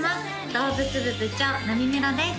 動物部部長なみめろです